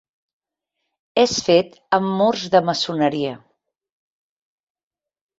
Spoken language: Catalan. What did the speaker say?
És fet amb murs de maçoneria.